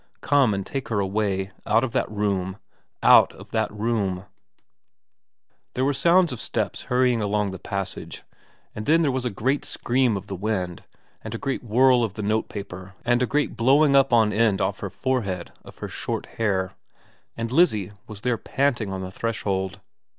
Come and take her away out of that room out of that room There were sounds of steps hurrying along the passage, and then there was a great scream of the wind and a great whirl of the notepaper and a great blowing up on end off her forehead of her short hair, and Lizzie was there panting on the threshold.